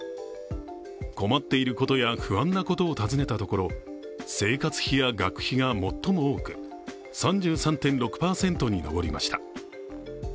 困っていることや不安なことを尋ねたところ生活費や学費が最も多く３３．６％に上りました。